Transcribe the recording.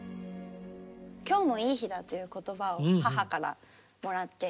「今日もいい日だ」っていう言葉を母からもらって。